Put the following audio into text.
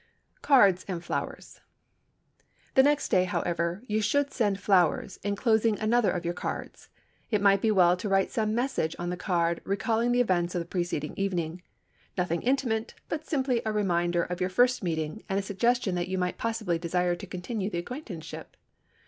CARDS AND FLOWERS The next day, however, you should send flowers, enclosing another of your cards. It might be well to write some message on the card recalling the events of the preceding evening—nothing intimate, but simply a reminder of your first meeting and a suggestion that you might possibly desire to continue the acquaintanceship.